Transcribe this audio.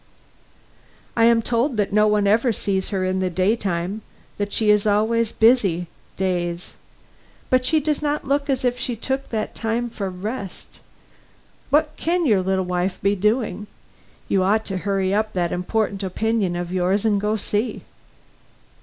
"I am told that no one ever sees her in the day time; that she is always busy, days. But she does not look as if she took that time for rest. What can your little wife be doing? You ought to hurry up that important opinion of yours and go see."